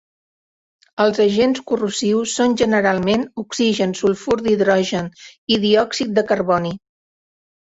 Els agents corrosius són generalment oxigen, sulfur d'hidrogen i diòxid de carboni.